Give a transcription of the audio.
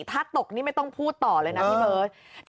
ถ้าตกนี่ไม่ต้องพูดต่อเลยนะพี่เบิร์ต